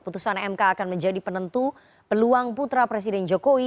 putusan mk akan menjadi penentu peluang putra presiden jokowi